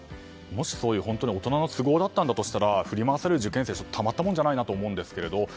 もし本当に大人の都合が原因だったとしたら振り回される受験生はたまったものではないかと思うんですけども。